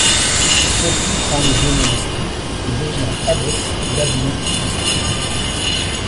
Sophie prend les vœux monastiques et devient abbesse d'Admont en Styrie.